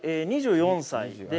２４歳で。